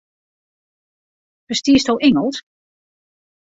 Ferstiesto Ingelsk?